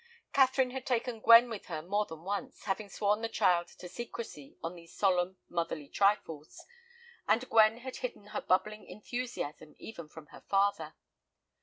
Catherine had taken Gwen with her more than once, having sworn the child to secrecy on these solemn motherly trifles, and Gwen had hidden her bubbling enthusiasm even from her father.